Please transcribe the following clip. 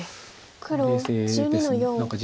黒１２の四。